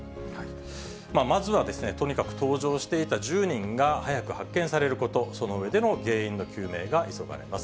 まずはとにかく、搭乗していた１０人が早く発見されること、その上での原因の究明が急がれます。